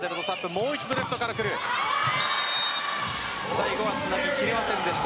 最後はつなぎきれませんでした。